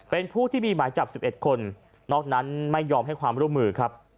เป็นผู้ที่มีหมายจับ๑๑คนนอกนั้นไม่ยอมให้ความร่วมมือครับ